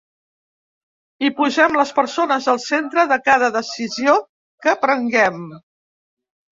I posem les persones al centre de cada decisió que prenguem.